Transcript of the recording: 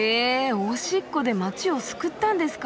おしっこで街を救ったんですか。